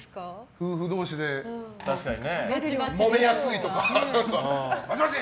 夫婦同士でもめやすいとかあるのかな。